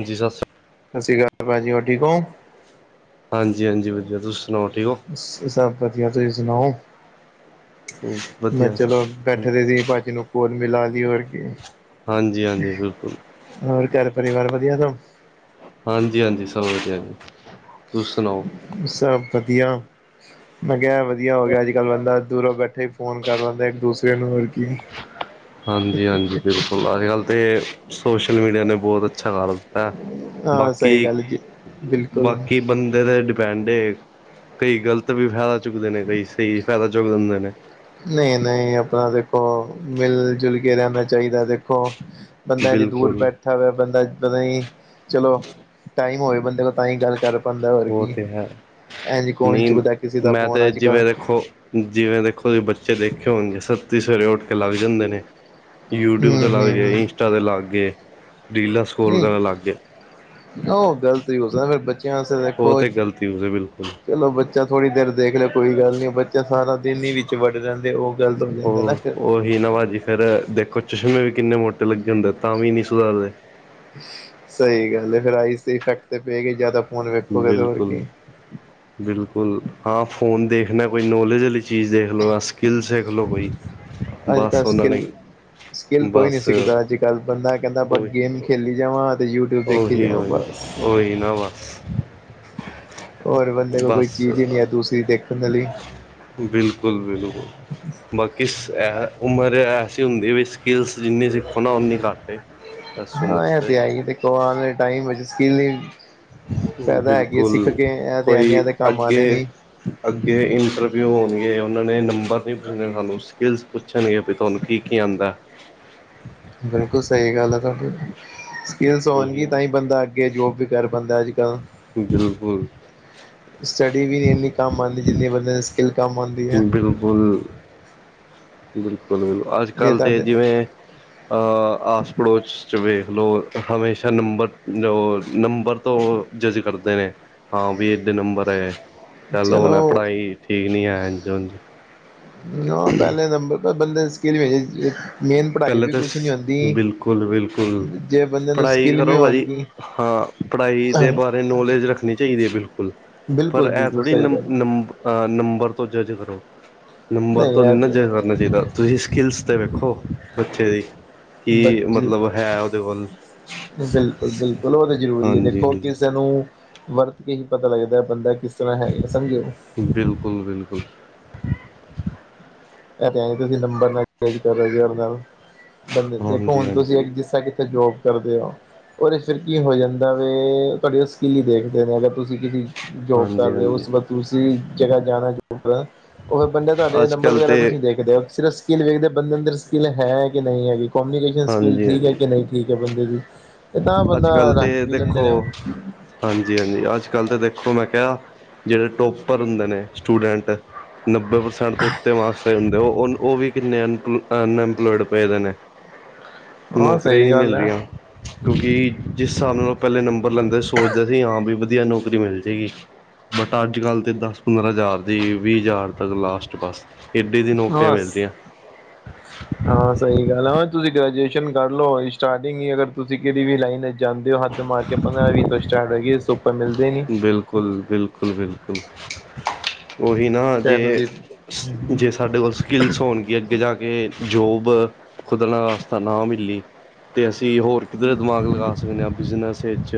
ਹਜੀ ਸਤਿ੍ਰੀ ਅਕਾਲ। ਸਤਿ ਸ਼੍ਰ ਅਕਾਲ ਭਾਜੀ, ਹੋਰ ਠੀਕ ਓ। ਹਾਂਜੀ -ਹਾਂਜੀ ਵਧਿਆ। ਤੁਸੀ ਸੁਣਾਓ ਠੀਕ ਹੋ? ਸਭ ਵਧੀਆ। ਤੁਸੀਂ ਸੁਣਾਓ? ਮੈਂ ਵਧੀਆ ਚਲੋ ਸਭ ਬੈਠਦੇ ਸੀ ਭਾਜੀ ਨੂੰ ਕੋਲ ਮਿਲਾ ਦੀ ਹੋਰ ਕੀ। ਹਾਂਜੀ- ਹਾਂਜੀ, ਬਿਲਕੁਲ। ਹੋਰ ਘਰ ਪਰਿਵਾਰ ਵਧੀਆ ਸਭ? ਹਾਂਜੀ- ਹਾਂਜੀ ਸਬ ਵਦੀਆ ਜੀ। ਤੁਸੀ ਸੁਨਾਓ? ਸਬ ਵਧਿਆ। ਮੈਂ ਕੇਆ ਐ ਵ ਵਧਿਆ ਹੋਗਯਾ। ਅੱਜ-ਕੱਲ ਬੰਦਾ ਦੂਰੋਂ ਬੈਠੇ ਈ ਫੋਨ ਕਰ ਲੈਂਦੈ ਇੱਕ- ਦੂਸਰੇ ਨੂੰ। ਹੋਰ ਕੀ। ਹਾਂਜੀ- ਹਾਂਜੀ, ਬਿਲਕੁਲ। ਅੱਜ-ਕੱਲ ਤੇ ਸੋਸ਼ਲ ਮੀਡੀਆ ਨੇ ਬੋਤ ਅੱਛਾ ਕਰ ਦਿ ਹਾਂ, ਹਾਂ ਸਹੀ ਬਾਕੀ, ਗੱਲ ਜੀ ਬਿਲਕੁਲ। ਬਾਕੀ ਬੰਦੇ ਤੇ ਡਿਪੈਂਡ ਏ। ਕਈ ਗਲਤ ਵੀ ਫੈਦਾ ਚੁੱਕਦੇ ਨੇ, ਕਈ ਸਈ ਫੈਦਾ ਚੋੱਕ ਦੇਂਦੇ ਨੇ। ਨਈ, ਨਈ ਅਪਨਾ ਦੇਖੋ ਮਿਲ-ਜੁਲ ਕੇ ਰੈਨਾ ਚਾਈਦੈ। ਦੇਖੋ ਬੰਦਾ ਏਨੀ ਦੂਰ ਬਿਲਕੁਲ ਬੈਠ ਬੈੱਠਾ ਹੋਵੇ ਬੰਦਾ ਪਤਾ ਨੀ, ਚਲੋ ਟਾਈਮ ਹੋਏ ਬੰਦੇ ਕੋਲ ਤਾਂ ਈ ਗੱਲ ਕਰ ਬੰਦਾ ਹੋਰ ਉਹ ਕੀ। ਤੇ ਹੈ ਐਂਜ ਕੌਨ ਨਹੀਂ ਚੁੱਕਦੈ ਕਿਸੇ ਦਾ ਮੈਂ ਫੋਨ ਤੇ ਅੱਜ-ਕੱਲ ਜਿਵੇਂ ਦੇਖੋ ਜਿਵੇਂ ਦੇਖੋ ਤੁਸੀ ਬੱਚੇ ਦੇਖੇ ਹੋਨਗੇ, ਸੱਤੀ ਸਵੇਰੇ ਓੱਠ ਕੇ ਲੱਗ ਜਾਂਦੇ ਨੇ। ਯੂਟਿਊਬ ਹੂੰ ਤੇ ਹੂੰ ਲੱਗਜੇ, ਹੂੰ ਇੰਸਟਾ ਤੇ ਲੱਗ ਗੇ, ਰੀਲਾਂ ਸਕੋਲ ਕਰਨ ਲੱਗਜੇ। ਓ ਗਲਤ ਈ ਹੋ ਸਕਦੇ ਬੱਚਯਾਂ ਆਸਤੇ ਉਹ ਦੇਖੋ ਤੇ ਗ਼ਲਤੀ ਉਸਦੀ ਬਿਲਕੁਲ। ਚਲੋ ਬੱਚਾ ਥੋੜੀ ਦੇਰ ਦੇਖਲੇ, ਕੋਈ ਗੱਲ ਨੀ ਓ ਬਚ ਬੱਚੇ ਸਾਰਾ ਦਿਨ ਈ ਵਿੱਚ ਵੜੇ ਰੈਂਦੇ, ਓ ਗਲਤ ਹੋ ਜਾਂਦਾ ਨਾ ਫੇਰ। ਇ ਨਾ ਭਾਜੀ ਫੇਰ ਦੇਖੋ ਚਸ਼ਮੇ ਵੀ ਕਿੰਨੇ ਮੋਟੇ ਲੱਗੇ ਹੁੰਦੇ ਤਾਂ ਵੀ ਨੀ ਸੁਧਾਰਦੇ। ਸਈ ਗੱਲ ਏ ਫੇਰ ਆਈਸ ਤੇ ਇਫੈਕਟ ਤੇ ਪਏਗਾ ਈ ਜਾਦਾ। ਬਿਲਕੁਲ, ਬਿਲਕੁਲ ਹਾਂ ਫੋਨ ਦੇਖਨਾ ਕੋਈ ਨੌਲੇਜ ਆਲੀ ਚੀਜ਼ ਦੇਖਲੋ ਯਾ ਸਕਿੱਲਸ ਦੇਖਲੋ ਕੋਈ। ਅੱਜ ਬੱਸ ਕੱਲ੍ਹ ਓਨਾਂ ਸਕਿੱਲ ਨੇ ਸਕਿੱਲ ਕੋਈ ਨੀ ਬਸ ਸਿੱਖਦਾ ਅੱਜ-ਕੱਲ। ਬੰਦਾ ਕੈਂਦਾ ਆਪਾ ਉਹੀ ਗੇਮ ਈ ਖੇਲੀ ਜਾਵਾਂ। ਫੇਰ ਯੂਟਿਊਬ ਦੇਖੀ ਜਾਵਾਂ ਬੱਸ। ਹੋਈ ਨਾ ਵੱਸ। ਔਰ ਬੰਦੇ ਕੋਲ ਕੋਈ ਬਸ ਚੀਜ਼ ਈ ਨੀ ਐ ਦੂਸਰੀ ਦੇਖਨ ਆਲੀ। ਬਿਲਕੁਲ- ਬਿਲਕੁਲ। ਬਾਕੀਸ ਐ। ਉਮਰ ਐਸੀ ਹੁੰਦੀ ਵੀ ਸਕਿੱਲਸ ਜਿੰਨੀ ਸਿੱਖੋ ਨਾ, ਓਨੀ ਘੱਟ ਏ। ਇਸ ਹਾਂ, ਉਮਰ ਐ ਤੇ ਹੈਈ ਏ, ਦੇਖੋ ਆਨ ਵਾਲੇ ਟਾਈਮ ਵਿੱਚ ਸਕਿੱਲ ਈ ਫੈਦਾ ਹੈਗੀ ਏ ਸਿੱਖ ਬਿਲਕੁਲ ਕੇ। ਐ ਤੇ ਐਨੀ ਕੋਈ ਐਦੇ ਕੰਮ ਅੱਗੇ ਆਨੇ ਨੀ। ਅੱਗੇ ਇੰਟਰਵਿਊ ਹੋਣਗੇ, ਉਹਨਾਂ ਨੇ ਨੰਬਰ ਨਹੀਂ ਪੁੱਛਣੇ ਸਾਨੂੰ, ਸਕਿੱਲਸ ਪੁੱਛਣਗੇ, ਵੀ ਤੁਆਨੂੰ ਕੀ-ਕੀ ਆਂਦਾ ਏ? ਬਿਲਕੁਲ ਸਈ ਗੱਲ ਆ ਤੁਆਡੀ, ਸਕਿਲਸ ਉਹੀ ਹੋਣਗੀ ਤਾਂ ਨਾ ਹੀ ਬੰਦਾ ਅਗੇ ਜੋਬ ਵੀ ਕਰ ਪਾਂਦਾ ਅੱਜ-ਕੱਲ੍ਹ। ਬਿਲਕੁਲ। ਸਟੱਡੀ ਵੀ ਨਈ ਇੰਨੀ ਕੰਮ ਆਉਂਦੀ, ਜਿੰਨੀ ਬੰਦੇ ਇਲਕਮ ਆਂਦੀ ਹੈ ਬਿਲਕੁਲ। ਬਿਲਕੁਲ-ਬਿਲਕੁਲ, ਅੱਜ ਜੇ ਕੱਲ੍ਹ ਤੇ ਤੁਹਾਡੇ ਜਿਵੇਂ ਅ ਆਸ ਪੜੋਸ ਚ ਵੇਖਲੋ, ਹਮੇਸ਼ਾ ਨੰਬਰ, ਜੋ ਨੰਬਰ ਤੋਂ ਜੱਜ ਕਰਦੇ ਨੇ, ਹਾਂ ਵੀ ਏੱਦੇ ਨੰਬਰ ਐ। ਚੱਲ ਹੁਣ ਐ ਚਲੋ ਪੜਾਈ ਠੀਕ ਨੀ ਐ, ਐਂਝ ਓਂਝ ਨਾ, ਪੈਲੇ ਨੰਬਰ ਤੇ ਬੰਦੇ ਦੀ ਸਕਿੱਲ ਵੇਖਨੀ [unintelligible] ਮੇਨ ਪੜਾਈ ਪਹਿਲੇ ਵੀ ਤਾਂ ਕੁਛ ਨੀ ਹੁੰਦੀ, ਬਿਲਕੁਲ ਬਿਲਕੁਲ ਜੇ ਬੰਦੇ ਨੂੰ ਪੜ੍ਹਾਈ ਸਕਿੱਲ ਵੀ ਕਰੋ ਭਾਜੀ ਹੋਨਗੀ ਹਾਂ, ਪੜਾਈ ਦੇ ਬਾਰੇ ਨੌਲੇਜ ਰੱਖਨੀ ਚਾਈਦੀ ਏ, ਬਿਲਕੁਲ। ਪਰ ਬਿਲਕੁਲ ਐ ਬਿਲਕੁਲ ਥੋੜੀ ਸਹੀ ਨੰ, ਗੱਲ ਹੈ ਨੰਬ ਹਾਂ, ਨੰਬਰ ਤੋ ਜੱਜ ਕਰੋ, ਨੰਬਰ ਨਹੀਂ ਤੋ ਨੀ ਇਹ ਨਾ ਤੇ [unintelligible] ਨਾ ਚਾਈਦਾ, ਤੁਸੀ ਸਕਿੱਲਸ ਤੇ ਵੇਖੋ, ਬੱਚੇ ਦੀ। ਕੀ ਬ ਮਤਲਬ ਹੈ ਓਦੇ ਕੋਲ? ਬਿਲਕੁਲ-ਬਿਲਕੁਲ, ਓ ਤੇ ਜ਼ਰੂਰੀ ਏ ਹਾਂਜੀ ਦੇਖੋ, ਹਾਂਜੀ ਕਿਸੇ ਨੂੰ ਵਰਤ ਕੇ ਈ ਪਤਾ ਲੱਗਦਾ ਹੈ ਬੰਦਾ ਕਿਸ ਤਰ੍ਹਾਂ ਹੈਗਾ? ਸਮਝੇ। ਬਿਲਕੁਲ-ਬਿਲਕੁਲ। ਏਹ ਤੇ ਹੈ ਤੁਸੀਂ ਨੰਬਰ ਨਾਲ ਜੱਜ ਕਰੋਗੇ [unintelligible] ਬੰਦੇ ਨ, ਦੇਖੋ ਹਾਂਜੀ ਹੁਣ ਤੁਸੀਂ ਹਾਂਜੀ ਇੱਕ ਜਿਸ ਤਰਾਂ ਕਿੱਥੇ ਜੋਬ ਕਰਦੇ ਹੋ, ਔਰੇ ਚ ਫਿਰ ਕੀ ਹੋ ਜਾਂਦਾ ਵੇ, ਤੁਆਡੀ ਉਹ ਸਕੀਲ ਈ ਦੇਖਦੇ ਨੇ, ਅਗਰ ਤੁਸੀਂ ਕਿਸੀ ਜੋਬ ਕਰ ਹਾਂਜੀ ਰਹੇ ਔ, ਹਾਂਜੀ ਉਸ ਵਕਤ ਤੁਸੀਂ ਜਗ੍ਹਾ ਜਾਣਾ ਜੋਬ, ਉਦੋਂ ਬੰਦੇ ਤੁਆਡੇ ਅੱਜ ਨੰਬਰ ਕੱਲ੍ਹ ਵਗੈਰਾ ਤੇ ਕੁਛ ਨੀ ਦੇੇਖਦੇ ਉਹ, ਸਿਰਫ ਸਕਿੱਲ ਵੇਖਦੇ ਹੋ, ਬੰਦੇ ਅੰਦਰ ਸਕਿੱਲ ਹੈ ਕਿ ਨਹੀਂ ਹੈਗੀ? ਕੋਮਿਊਨੀਕੇਸ਼ਨ ਸਕਿੱਲ ਹਾਂਜੀ ਠੀਕ ਹੈ ਹਾਂਜੀ ਕਿ ਨਹੀਂ? ਠੀਕ ਐ ਬੰਦੇ ਦੀ। ਤੇ ਤਾਂ ਅੱਜ ਬੰਦਾ ਕੱਲ੍ਹ ਤੇ ਰੱਖ ਵੀ ਲੈਂਦੇ ਦੇਖੋ ਨੇ ਉਹ ਹਾਂਜੀ-ਹਾਂਜੀ, ਅੱਜ ਕੱਲ ਤੇ ਦੇਖੋ ਮੈਂ ਕਿਆ, ਜਿਹੜੇ ਟੋਪਰ ਹੁੰਦੇ ਨੇ ਸਟੂਡੈਂਟ ਨੱਬੇ ਪ੍ਰਸੈਂਟ ਤੋ ਊਤੇ ਮਾਕਸ ਚਾਹਿਏ ਹੁੰਦੇ, ਉਹ-ਉਹ ਵੀ ਕਿੰਨੇ ਅਨ ਅਨਐੰਪਲੋਇਡ ਪਏ ਦੇ ਨੇ। ਹਾਂ ਨੌਕਰੀਆਂ ਈ ਸਹੀ ਨਹੀਂ ਮਿਲ ਗੱਲ ਹੈ ਦੀਆਂ। ਕਿਉਂਕਿ ਜਿਸ ਸਾਬ ਨਾਲ ਪਹਿਲੇ ਨੰਬਰ ਲੈਂਦੇ, ਸੋਚਦੇ ਸੀ ਹਾਂ, ਬਈ ਵਧੀਆ ਨੌਕਰੀ ਮਿਲ ਜੇਗੀ। ਬਟ ਅੱਜ ਕੱਲ੍ਹ ਤੇ ਦਸ ਪੰਦਰਾਂ ਹਜ਼ਾਰ ਦੀ, ਵੀਹ ਹਜ਼ਾਰ ਤੱਕ ਲਾਸਟ ਬਸ। ਏਡੇ ਦੀ ਨੌਕਰੀਆਂ ਬਸ, ਮਿਲ ਰਹੀਆਂ ਆ ਸਹੀ ਗੱਲ ਹੈ, ਹਾਂ ਤੁਸੀਂ ਗ੍ਰੈਜੂਏਸ਼ਨ ਕਰ ਲਓ, ਸਟਾਰਟਿੰਗ ਈ ਅਗਰ ਤੁਸੀਂ ਕਿਹੜੀ ਵੀ ਲਾਈਨ ਜਾਂਦੇ ਹੋ ਹੱਦ ਮਾਰ ਕੇ, ਪੰਦਰਾਂ ਵੀਹ ਤੋਂ ਸਟਾਰਟ ਹੋਏਗੀ, ਇਸੁੱਪ ਮਿਲਦੀ ਨੀ। ਬਿਲਕੁਲ-ਬਿਲਕੁਲ-ਬਿਲਕੁਲ। ਔਹੀ ਨਾ ਚਾਹੇ ਜੇ, ਤੁਸੀਂ ਜੇ ਸਾਡੇ ਕੋਲ ਸਕਿਲਸ ਹੋਣਗੀ ਅੱਗੇ ਜਾ ਕੇ, ਜੋਬ ਖੁਦ ਨਾ ਆਸਤਾ ਨਾ ਮਿਲੀ ਤੇ ਅਸੀਂ ਹੋਰ ਕਿੱਧਰੇ ਦਿਮਾਗ ਲਗਾ ਸਕਣੇ ਆ, ਬਿਜ਼ਨਸ ਇਚ,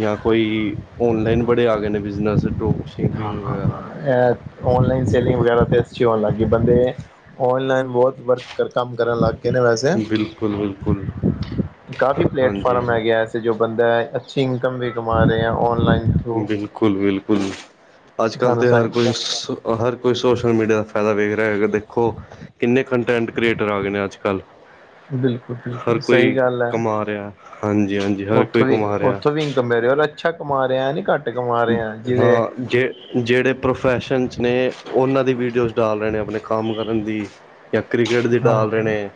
ਯਾ ਕੋਈ ਔਨਲਾਈਨ ਬੜੇ ਆ ਗਏ ਨੇ ਬਿਜ਼ਨਜ਼, ਟੋਕਸ ਹਾਂ-ਹਾਂ-ਹਾਂ ਏਹ ਔਨਲਾਈਨ ਸੈਲਿੰਗ ਵਗੈਰਾ ਤੇ ਅੱਛੀ ਹੋਣ ਲੱਗ ਗੀ, ਬੰਦੇ ਔਨਲਾਈਨ ਬਹੋਤ ਵਰਕ ਕਰ, ਕੰਮ ਕਰਨ ਲੱਗ ਗਏ ਨੇ ਵੈਸੇ ਬਿਲਕੁਲ-ਬਿਲਕੁਲ। ਕਾਫੀ ਪਲੇਟਫਾਰਮ ਹੈਗੇ ਐਸੇ ਜੋ ਬੰਦਾ, ਅੱਛੀ ਇਨਕਮ ਵੀ ਕਮਾ ਰਿਹਾ ਹੈ, ਔਨਲਾਈਨ ਥਰੂ। ਬਿਲਕੁਲ-ਬਿਲਕੁਲ। ਅਜ ਕੱਲ ਤੁਹਾਨੂੰ ਤੇ ਹਰ ਕੋਈ ਸੋ, ਹਰ ਕੋਈ ਸੋਸ਼ਲ ਮੀਡੀਆ ਦਾ ਫਾਇਦਾ ਵੇਖ ਰਿਆ ਹੈਗਾ ਦੇਖੋ। ਕਿੰਨੇ ਕੰਟੈਂਟ ਕ੍ਰੀਏਟਰ ਆ ਗਏ ਨੇ ਅੱਜ-ਕੱਲ੍ਹ। ਬਿਲਕੁੱਲ-ਬਿਲਕੁੱਲ ਸਹੀ ਗੱਲ ਹੈ। ਕਮਾ ਰਿਹਾ ਹਾਂਜੀ ਹਾਂਜੀ ਹਰ ਕੋਈ ਉਥੋਂ ਵੀ ਕਮਾ ਰਿਹਾ ਉਥੋਂ ਵੀ ਇਨਕਮ ਮੇਰੇ ਰਿਹਾ ਅੱਛਾ ਕਮਾ ਰਿਹਾ ਨੀ, ਘੱਟ ਕਮਾ ਰਿਹਾ ਹਾਂ ਜਿਹਦੇ ਜੇ ਜਿਹੜੇ ਪ੍ਰੋਫੈਸ਼ਨਸ ਨੇ ਉਹਨਾਂ ਦੀ ਵੀਡੀਓਜ਼ ਡਾਲ ਰਹੇ ਨੇ ਆਪਣੇ ਕੰਮ ਕਰਨ ਦੀ ਜਾਂ ਕ੍ਰਿਕਟ ਦੀ ਹਾਂ ਡਾਲ ਰਹੇ ਨੇ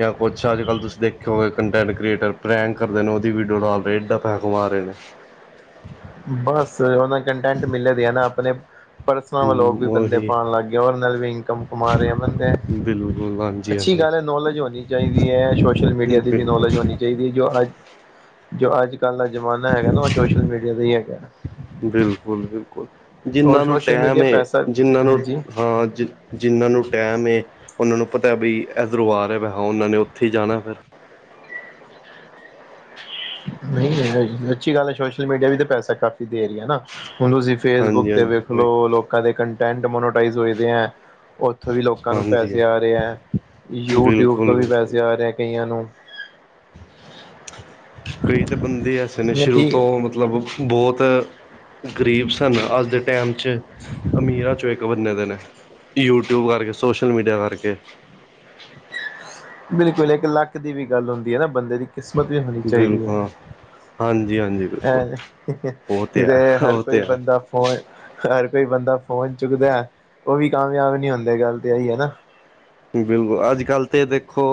ਜਾਂ ਕੁਛ ਅੱਜ ਕੱਲ ਤੁਸੀਂ ਦੇਖੋ ਹੋ ਕੰਟੈਂਟ ਕ੍ਰੀਏਟਰ ਪ੍ਰੈਂਕ ਕਰਦੇ ਨੇ ਉਹਦੀ ਵੀਡੀਓ ਡਾਲ ਰਹੇ ਏਦਾ ਪੈਸਾ ਕਮਾ ਰਹੇ ਨੇ। ਬਸ ਉਹ ਨਾ ਕੰਟੈਂਟ ਮਿਲੇ ਦੇ ਐ ਨਾ ਆਪਣੇ ਪਰਸਨਲ ਵਲੋਗ ਵੀ ਬੰਦੇ ਉਹੀ ਪਾਉਣ ਲੱਗ ਗਏ। ਕਿ ਉਹਦੇ ਨਾਲ ਵੀ ਇਨਕਮ ਕਮਾ ਰਹੇ ਆ ਬੰਦੇ ਬਿਲਕੁਲ ਹਾਂਜੀ ਅੱਛੀ ਹਾਂਜੀ ਗੱਲ ਹੈ ਨੌਲੇਜ ਹੋਣੀ ਚਾਹੀਦੀ ਹੈ ਸੋਸ਼ਲ ਮੀਡੀਆ ਦੀ ਵੀ ਬਿਲਕੁਲ ਨੌਲੇਜ ਹੋਣੀ ਚਾਹੀਦੀ ਜੋ ਅੱਜ, ਜੋ ਅੱਜ ਕੱਲ੍ਹ ਦਾ ਜ਼ਮਾਨਾ ਹੈਗਾ ਨਾ, ਉਹ ਸੋਸ਼ਲ ਮੀਡ ਬਿਲਕੁਲ-ਬਿਲਕੁਲ, ਔਰ ਜਿੰਨਾਂ ਨੂੰ ਸੋਸ਼ਲ ਟੈਮ ਮੀਡੀਆ ਏ ਪੈਸਾ ਜਿੰਨਾਂ ਨੂੰ ਹਾਂਜੀ ਹਾਂ ਜਿ ਜਿਹਨਾਂ ਨੂੰ ਟੈਮ ਏ ਉਹਨਾਂ ਨੂੰ ਪਤਾ ਬਈ ਐਦਰੋ ਆ ਰਿਹਾ ਵੈ, ਹਾਂ ਉਹਨਾਂ ਨੇ ਉੱਥੇ ਹੀ ਜਾਣਾ ਫਿਰ। ਨਹੀਂ ਇਹ ਅੱਛੀ ਗੱਲ ਹੈ ਸੋਸ਼ਲ ਮੀਡੀਆ ਵੀ ਤਾਂ ਪੈਸਾ ਕਾਫ਼ੀ ਦੇ ਰਹੀ ਹੈ ਨਾ ਹੁਣ ਤੁਸੀਂ ਫੇਸਬੁੱਕ ਹਾਂਜੀ ਤੇ ਹਾਂਜੀ ਵੇਖ ਲੋ ਕੋਈ ਲੋਕਾਂ ਦੇ ਕੰਟੈਂਟ ਮੋਨੋਟਾਈਜ਼ ਹੋਏਦੇ ਹੈ। ਔ ਉੱਥੋਂ ਵੀ ਲੋਕਾਂ ਨੂੰ ਹਾਂਜੀ ਪੈਸੇ ਆ ਹਾਂਜੀ ਰਹੇ ਹੈ, ਯੂਟਿਊਬ ਤੋਂ ਬਿਲਕੁਲ ਵੀ ਬਿਲਕੁਲ ਪੈਸੇ ਆ ਰਹੇ ਹੈ ਕਈਆਂ ਨੂੰ। ਕਈ ਤਾਂ ਬੰਦੇ ਐਸੇ ਨੇ ਸ਼ੁਰੂ ਠੀਕ ਤੋਂ ਮਤਲਬ ਬੋਤ ਗਰੀਬ ਸਨ ਅੱਜ ਦੇ ਟੈਮ 'ਚ। ਅਮੀਰਾ ਚੋਂ ਇੱਕ ਬੰਨੇ ਦੇ ਨੇ, ਯੂਟਿਊਬ ਕਰਕੇ ਸੋਸ਼ਲ ਮੀਡੀਆ ਕਰਕੇ। ਬਿਲਕੁਲ, ਇੱਕ ਲੱਕ ਦੀ ਵੀ ਗੱਲ ਹੁੰਦੀ ਹੈ ਨਾ ਬੰਦੇ ਦੀ ਕਿਸਮਤ ਵੀ ਹੋਣੀ ਚਾਹੀਦੀ ਹੈ। ਬਿਲਕੁਲ ਹਾਂਜੀ ਹਾਂਜੀ ਬਿਲਕੁਲ ਐਵੇਂ, ਉਹ ਤੇ ਇਹਦੇ ਹੈ ਹਰ ਉਹ ਤੇ ਕੋਈ ਹੈ ਬੰਦਾ ਫੋਨ ਹਰ ਕੋਈ ਬੰਦਾ ਫੋਨ ਚੁੱਕਦਾ ਉਹ ਵੀ ਕਾਮਯਾਬ ਨਹੀਂ ਹੁੰਦੇ ਗੱਲ ਤਾਂ ਇਹੀ ਹੈ ਨਾ ਬਿਲਕੁੱਲ ਅੱਜ ਕੱਲ੍ਹ ਤੇ ਦੇਖੋ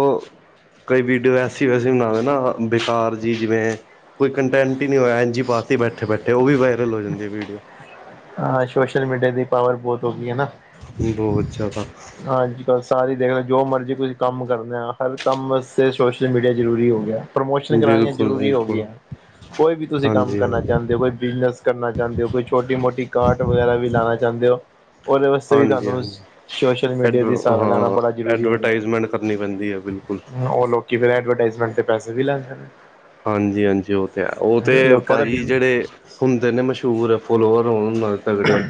ਕੋਈ ਵੀਡੀਓ ਐਸੀ ਵੈਸੀੇ ਬਣਾਵੇ ਨਾ ਬੇਕਾਰ ਜੀ ਜਿਵੇਂ ਕੋਈ ਕੰਟੈਂਟ ਕੁਝ ਨਹੀਂ ਹੋਇਆ ਪਾਤੀ ਬੈਠੇ ਬੈਠੇ ਉਹ ਵੀ ਵਾਇਰਲ ਹੋ ਜਾਂਦੀ ਵੀਡੀਓ ਹਾਂ ਸੋਸ਼ਲ ਮੀਡੀਆ ਦੀ ਪਾਵਰ ਬਹੁਤ ਹੋ ਗਈ ਹੈਨਾ। ਬਹੁਤ ਜ਼ਿਆਦਾ ਅੱਜ ਕੱਲ੍ਹ ਸਾਰੀ ਦੇਖ ਲੋ ਜੋ ਮਰਜ਼ੀ ਕੁੱਛ ਕੰਮ ਕਰਦੇ ਹਾਂ, ਹਰ ਕੰਮ 'ਤੇ ਸੋਸ਼ਲ ਮੀਡੀਆ ਜ਼ਰੂਰੀ ਹੋ ਗਿਆ ਪ੍ਰਮੋਸ਼ਨ ਕਰਾਉਣੀਆਂ ਬਿਲਕੁਲ ਜ਼ਰੂਰੀ ਹੋ ਗਈ ਬਿਲਕੁਲ ਆਂ। ਕੋਈ ਵੀ ਤੁਸੀਂ ਕੰਮ ਹਾਂਜੀ ਕਰਨਾ ਹਾਂਜੀ ਚਾਹੁੰਦੇ ਹੋ ਕੋਈ ਬਿਜ਼ਨਸ ਕਰਨਾ ਚਾਹੁੰਦੇ ਹੋ ਕੋਈ ਛੋਟੀ ਮੋਟੀ ਕਾਰਟ ਰਟ ਵਗੈਰਾ ਵੀ ਲਾਉਣਾ ਚਾਹੁੰਦੇ ਹੋ ਉਹਦੇ ਵਾਸਤੇ ਵੀ ਤੁਹਾਨੂੰ ਸੋਸ਼ਲ ਮੀਡੀਆ ਦੀ ਐਡਵ ਸਹਾਰਾ ਲੈਣਾ ਹਾਂ ਬੜਾ ਜ਼ਰੂਰੀ ਹੋ ਗਿਆ ਐਡਵਰਟਾਈਜ਼ਮੈਂਟ ਕਰਨੀ ਪੈਂਦੀ ਹੈ ਬਿਲਕੁੱਲ ਉਹ ਲੋਕੀ ਫਿਰ ਐਡਵਰਟਾਈਜ਼ਮੈਂਟ ਦੇ ਪੈਸੇ ਵੀ ਲੈਂਦੇ ਨੇ। ਹਾਂਜੀ-ਹਾਂਜੀ ਉਹ ਤੇ ਹੈ ਉਹ ਤੇ ਲੋਕਾਂ ਦਾ ਭਾਜੀ ਬਿਜ ਜਿਹੜੇ ਹੁੰਦੇ ਨੇ ਮਸ਼ਹੂਰ ਹੈ ਫਲੋਵਰ ਹੋਨ ਨਾਲ ਤਗੜੇ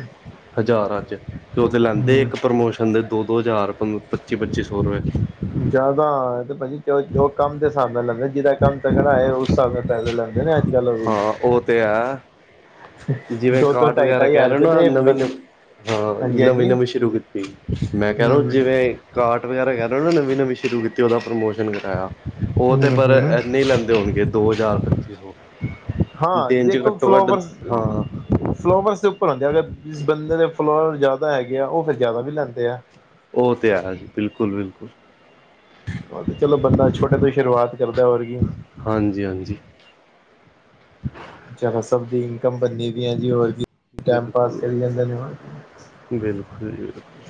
ਹਜ਼ਾਰਾਂ 'ਚੱ ਤੇ ਉਹ ਤੇ ਲੈਂਦੇ ਹੂੰ ਇੱਕ ਪ੍ਰਮੋਸ਼ਨ ਦੇ ਦੋ-ਦੋ ਹਜ਼ਾਰ ਪਨ ਪੱਚੀ ਪੱਚੀ ਸੌ ਰੁਪਏ। ਜ਼ਿਆਦਾ ਆ ਤੇ ਭਾਜੀ ਉਹ ਕੰਮ ਦੇ ਹਿਸਾਬ ਨਾਲ ਲੈਂਦੇ ਜਿਹਦਾ ਕੰਮ ਤਾਂ ਤਗੱੜਾ ਹੈਏ ਉਸ ਹਿਸਾਬ ਨਾਲ ਪੈਸੇ ਲੈਂਦੇ ਨੇ ਅੱਜ ਕੱਲ੍ਹ ਉਹ ਵੀ ਹਾਂ ਉਹ ਤੇ ਹੈ ਜਿਵੇਂ ਦੋ ਦੋ ਕਾਰਟ ਢਾਈ ਵਗੈਰਾ ਢਾਈ ਕਹਿ ਹਜ਼ਾਰ ਲੋ ਰੁਪਏ ਨਾ ਤੇ ਨਵੀਂ-ਨਵੀਂ ਹਾਂ ਹਾਂਜੀ ਨਵੀਂ ਹਾਂਜੀ ਨਵੀਂ ਸ਼ੁਰੂ ਕੀਤੀ ਮੈਂ ਕਹਿ ਰਹੇ ਹੂੰ ਜਿਵੇਂ ਕਾਰਟ ਵਗੈਰਾ ਕਹਿ ਰਹੇ ਨਾ ਨਵੀਂ ਨਵੀਂ ਸ਼ੁਰੂ ਕੀਤੀ ਉਹਦਾ ਪ੍ਰਮੋਸ਼ਨ ਕਰਇਆ। ਹੂੰ। ਪਰ ਹੂੰ ਇੰਨੇ ਲੈਂਦੇ ਹੋਣਗੇ ਦੋ ਹਜ਼ਾਰ ਪੱਚੀ ਸੋ ਹਾਂ ਦੇਖੋ ਫਲੋਵਰਸ ਹਾਂ ਫਲੋਵਰਸ ਉਪ ਪਰ ਹੂੰਦੇ ਅਗਰ ਜਿਸ ਬੰਦੇ ਦੇ ਫਲੋਅਰ ਜ਼ਿਆਦਾ ਹੈਗੇ ਆ ਉਹ ਫਿਰ ਜ਼ਿਆਦਾ ਵੀ ਲੈਂਦੇ ਆ। ਉਹ ਤੇ ਹੈ ਜੀ ਬਿਲਕੁੱਲ-ਬਿਲਕੁੱਲ ਉਹ ਤੇ ਚਲੋ ਬੰਦਾ ਛੋਟੇ ਤੋਂ ਹੀ ਸ਼ੁਰੂਆਤ ਕਰਦਾ ਹੋਰ ਕੀ ਹਾਂਜੀ-ਹਾਂਜੀ ਜਰਾ ਸਭ ਦੀ ਇਨਕਮ ਬਨਦੀ ਐ ਜੀ ਹੋਰ ਕੀ ਟਾਈਮ ਪਾਸ ਬਿਲਕੁਲ ਕਰੀ ਜਾਂਦੇ ਨੇ ਬਸ ਬਿਲਕੁਲ ਜੀ ਬਿਲਕੁਲ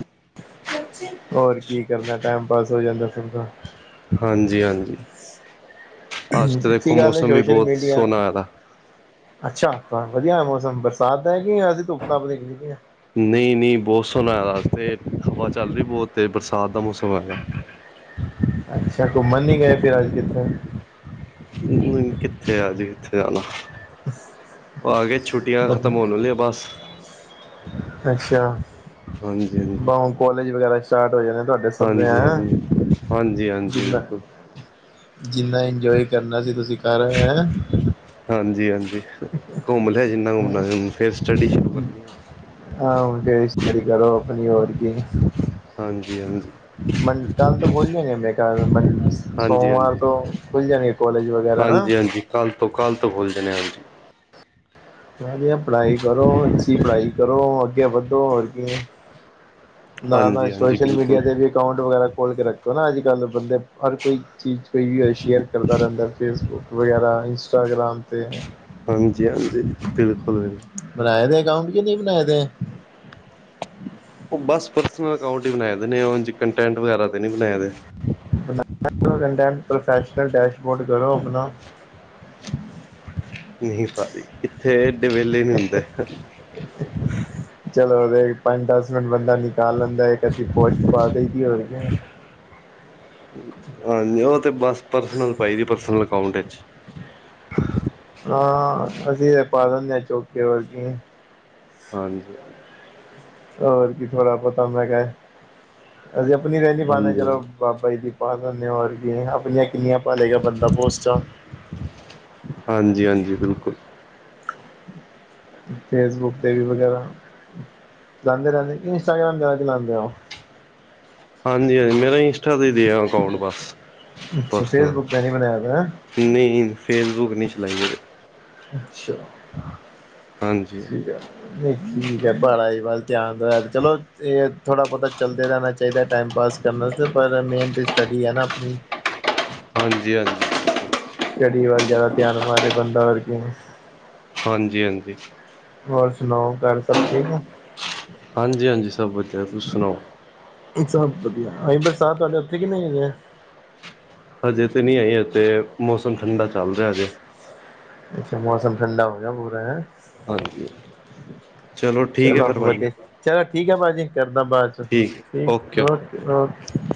ਹੋਰ ਕੀ ਕਰਨਾ ਟਾਈਮ ਪਾਸ ਹੋ ਜਾਂਦਾ ਸਭ ਦਾ ਹਾਂਜੀ-ਹਾਂਜੀ, ਅੱਜ ਤਾਂ ਦੇਖੋ ਅੱਛੀ ਗੱਲ ਹੈ ਮੌਸਮ ਵੀ ਸੋਸ਼ਲ ਬਹੁਤ ਮੀਡੀਆ ਸੋਹਣਾ ਹੈਗਾ, ਅੱਛਾ, ਵਧੀਆ ਮੌਸਮ ਬਰਸਾਤ ਹੈਗੀ, ਅਸੀਂ ਧੁੱਪ ਧਾਪ ਦਿਖਦੀ ਹਾਂ। ਨਹੀਂ- ਨਹੀਂ ਬਹੁਤ ਸੋਹਣਾ ਹੈ ਤੇ ਅੱਜ ਹਵਾ ਚੱਲ ਰਹੀ ਬਹੁਤ ਤੇ ਬਰਸਾਤ ਦਾ ਮੌਸਮ ਹੈਗਾ ਅੱਛਾ ਘੁੰਮਣ ਨਹੀਂ ਗਏ ਫਿਰ ਅਜ ਕਿਤੇ, ਕਿੱਥੇ ਆਜੀ ਕਿੱਥੇ ਜਾਣਾ। ਆ ਗਏ, ਛੁੱਟੀਆਂ ਖ਼ਤਮ ਹੋਣ ਵਾਲੀਆ ਬਸ ਅੱਛਾ, ਹਾਂਜੀ ਹਾਂਜੀ ਬਸ ਹੁਣ ਕਾਲਜ ਵਗੈਰਾ ਸਟਾਰਟ ਹੋ ਜਾਣੇ, ਤੁਹਾਡੇ ਸਬਜ਼ ਹਾਂਜੀ ਹਾਂਜੀ ਹਾਂਜੀ ਹਾਂਜੀ ਜਿੰਨਾ ਬਿਲਕੁਲ ਜਿੰਨਾ ਇੰਜੋਏ ਕਰਨਾ ਸੀ ਤੁਸੀਂ ਕਰ ਆਏ ਹੈੰ ਹਾਂਜੀ -ਹਾਂਜੀ ਘੁੰਮ ਲਿਆ ਜਿੰਨਾ ਘੁੰਮਣਾ, ਫਿਰ ਸਟੱਡੀ ਸ਼ੁਰੂ ਕਰਨੀ ਆ ਆਹੋ ਹੁਣ ਫਿਰ ਸਟਡੀ ਕਰੋ, ਆਪਣੀ ਹੋਰ ਕੀ ਹਾਂਜੀ ਹਾਂਜੀ ਹਾਂਜੀ ਕੱਲ ਤੋਂ ਖੁੱਲ ਜਾਏਗੇ ਮੈਂ ਕਿਹਾ ਕੱਲ ਹਾਂਜੀ ਸੋਮਵਾਰ ਤੋਂ ਖੁੱਲ ਜਾਣਗੇ ਕਾਲਜ ਵਗੈਰਾ ਹਨਾ ਹਾਂਜੀ ਹਾਂਜੀ ਕੱਲ੍ਹ ਤੋਂ ਕੱਲ੍ਹ ਤੋਂ ਖੁੱਲ ਜਾਣੇ, ਹਾਂਜੀ ਮੈਂ ਕਿਹਾ ਵਧੀਆ ਪੜ੍ਹਾਈ ਕਰੋ, ਅੱਛੀ ਪੜ੍ਹਾਈ ਕਰੋ, ਅੱਗੇ ਵਧੋ ਹੋਰ ਕੀ ਨਾਲ- ਨਾਲ ਹਾਂਜੀ ਹਾਂਜੀ ਸੋਸ਼ਲ ਮੀਡੀਆ ਬਿਲਕੁਲ ਤੇ ਵੀ ਅਕਾਊਂਟ ਵਗੈਰਾ ਖੋਲ ਕੇ ਰੱਖੋ ਨਾ ਅੱਜ- ਕੱਲ ਬੰਦੇ ਹਰ ਕੋਈ ਚੀਜ਼ ਕੋਈ ਸ਼ੇਅਰ ਕਰਦਾ ਰਹਿੰਦਾ ਫੇਸਬੁੱਕ ਵਗੈਰਾ ਇੰਸਟਾਗ੍ਰਾਮ ਤੇ ਹਾਂਜੀ -ਹਾਂਜੀ, ਬਿਲਕੁਲ ਬਣਾਏ ਦੇ ਅਕਾਊਂਟ ਕਿ ਨਹੀਂ ਬਣਾਏ ਦੇ ਉਹ ਬਸ ਪਰਸਨਲ ਅਕਾਊਂਟ ਹੀ ਬਣਾਏ ਨੇ ਉਂਝ ਕੰਟੈਂਟ ਵਗੈਰਾ ਨ ਬਣਾਏ ਦੇ ਬ ਕੰਟੈਂਟ ਪ੍ਰੋਫੈਸ਼ਨਲ ਡੈਸ਼ਬੋਰਡ ਕਰੋ ਆਪਣਾ, ਨਹੀਂ ਭਾਜੀ, ਕਿੱਥੇ ਐਡੇ ਵਿਹਲੇ ਨੀ ਹੁੰਦੇ। ਚਲੋਦੇ ਪੰਜ ਦਸ ਮਿੰਟ ਬੰਦਾ ਨਿਕਾਲ ਲੈਂਦਾ ਹੈ ਇਕ ਅਧੀ ਪੋਸਟ ਪਾ ਦੇਈ ਹੋ, ਹਾਂਜੀ ਉਹ ਤੇ ਬਸ ਪਰਸਨਲ ਪਾਈ ਦੀ ਪਰਸਨਲ ਅਕਾਊਂਟ ਵਿੱਚ ਹਾਂ ਅਸੀਂ ਤੇ ਪਾ ਦਿੰਦੇ ਹਾਂ ਚੌਕੀ ਵਰਗੀ ਹਾਂਜੀ ਹੋਰ ਕੀ ਥੋੜ੍ਹਾ ਪਤਾ ਮੈਂ ਕਿਹਾ, ਅਸੀਂ ਆਪਣੀ ਰਹਿ ਨ ਪਾਉਦੇ ਹਾਂਜੀ ਚਲੋ। ਬਾਬਾ ਜੀ ਦੀ ਪਾ ਦੇ ਹੋਰ ਵੀ ਆਪਣੀਆਂ ਕਿੰਨੀਆਂ ਪਾ ਲਏਗਾ ਬੰਦਾ ਪੋਸਟਾਂ ਹਾਂਜੀ- ਹਾਂਜੀ, ਬਿਲਕੁਲ, [inaudible] ਫੇਸਬੁੱਕ ਤੇ ਵੀ ਵਗੈਰਾ, ਚਲਾਉਂਦੇ ਰਹਿੰਦੇ ਇੰਸਟਾਗ੍ਰਾਮ ਚਲਾਉਂਦੇ ਆ ਉਹ ਹਾਂਜੀ- ਹਾਂਜੀ ਮੇਰਾ ਇੰਸਟਾ ਤੇ ਹੀ ਦੇ ਆ ਅਕਾਊਂਟ ਬਸ ਅੱਛਾ ਪਰਸਨਲ ਫੇਸਬੁੱਕ ਤੇ ਨਹੀਂ ਬਣਾਇਆ ਤਾਂ, ਨਹੀਂ, ਫੇਸਬੁੱਕ ਨਹੀਂ ਚਲਾਈ ਹੈ। ਅੱਛਾ, ਹਾਂਜੀ, ਨਹੀਂ ਠੀਕ ਠੀਕ ਹੈ, ਘਰ ਆਲੀ ਵੱਲ ਧਿਆਨ ਦਿਓ ਤੇ ਚਲੋ। ਇਹ ਥੋੜ੍ਹਾ ਬਹੁਤਾ ਚੱਲਦਾ ਰਹਿਣਾ ਚਾਹੀਦਾ ਟਾਈਮ ਪਾਸ ਕਰਨ ਵਾਸਤੇ, ਪਰ ਮੇਨ ਤਾਂ ਸਟੱਡੀ ਹੈ ਨਾ ਆਪਣੀ [inaudible] ਹਾਂਜੀ- ਹਾਂਜੀ, ਸਟੱਡੀ ਵੱਲ ਜ਼ਿਆਦਾ ਧਿਆਨ ਮਾਰੇ ਬੰਦਾ, ਹੋਰ ਕੀ, ਹਾਂਜੀ- ਹਾਂਜੀ, ਹੋਰ ਸੁਣਾਓ ਘਰ ਸਭ ਠੀਕ ਆ? ਹਾਂਜੀ ਹਾਂਜੀ ਸਭ ਵਧੀਆ ਤੁਸੀਂ ਸੁਣਾਓ ਸਭ ਵਧੀਆ ਆਈ ਬਰਸਾਤ ਤੁਹਾਡੇ ਉੱਥੇ ਕਿ ਨਹੀਂ ਹਜੇ। ਹਜੇ ਤਾਂ ਨਹੀਂ ਆਈ ਐਥੇ, ਮੌਸਮ ਠੰਡਾ ਚੱਲ ਰਿਹਾ ਹਜੇ। ਅੱਛਾ ਮੌਸਮ ਠੰਡਾ ਹੋ ਗਿਆ ਪੂਰਾ ਹੈ। ਹਾਂਜੀ, ਚਲੋ ਠੀਕ ਹੈ ਫਿਰ ਭਾਜੀ, ਚਲ ਠੀਕ ਹੈ ਭਾਜੀ, ਕਰਦਾ ਬਾਅਦ 'ਚ ਠੀਕ ਓਕੇ -ਓਕੇ,